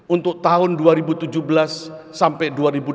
untuk tahun dua ribu tujuh belas sampai dua ribu delapan belas